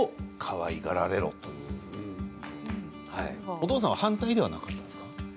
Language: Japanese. お父さんは反対ではなかったんですか？